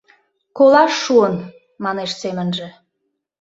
«Колаш шуын», — манеш семынже...